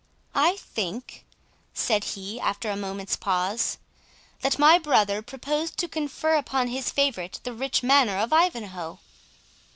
"I think," said he, after a moment's pause, "that my brother proposed to confer upon his favourite the rich manor of Ivanhoe."